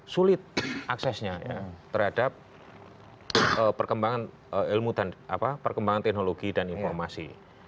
sulit aksesnya terhadap perkembangan ilmu dan perkembangan teknologi dan informasi